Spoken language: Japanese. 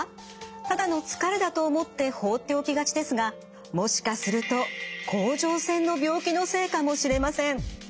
ただの疲れだと思って放っておきがちですがもしかすると甲状腺の病気のせいかもしれません。